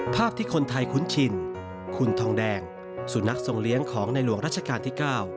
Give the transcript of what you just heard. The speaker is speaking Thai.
ภาพที่คนไทยคุ้นชินคุณทองแดงสุนัขทรงเลี้ยงของในหลวงรัชกาลที่๙